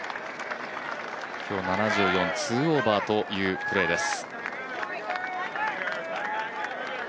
今日７４、２オーバーというプレーです。